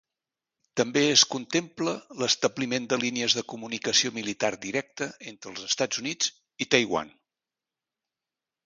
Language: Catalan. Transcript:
També es contempla l'establiment de línies de comunicació militar directa entre els Estats Units i Taiwan.